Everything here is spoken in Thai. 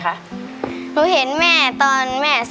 ขาหนูหนีบไว้